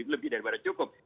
lebih daripada cukup